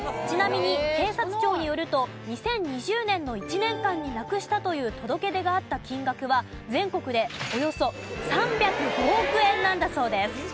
ちなみに警察庁によると２０２０年の１年間になくしたという届け出があった金額は全国でおよそ３０５億円なんだそうです。